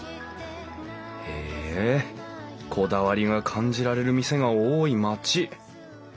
へえこだわりが感じられる店が多い町。